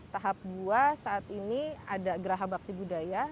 tahap dua saat ini ada geraha bakti budaya